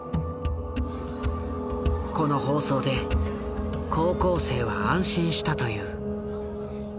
この放送で高校生は安心したという。